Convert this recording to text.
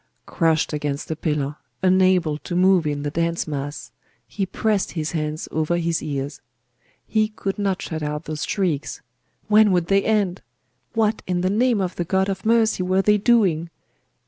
Crushed against a pillar, unable to move in the dense mass, he pressed his hands over his ears. He could not shut out those shrieks! When would they end? What in the name of the God of mercy were they doing?